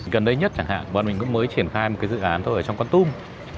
gần đây nhất chẳng hạn bọn mình cũng mới triển khai một cái dự án thôi ở trong con tum